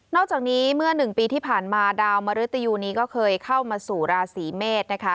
อกจากนี้เมื่อ๑ปีที่ผ่านมาดาวมริตยูนี้ก็เคยเข้ามาสู่ราศีเมษนะคะ